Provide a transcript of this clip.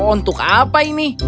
untuk apa ini